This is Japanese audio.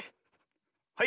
はい。